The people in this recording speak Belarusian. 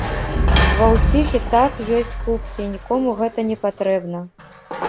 Ва ўсіх і так ёсць кубкі, нікому гэта не патрэбна.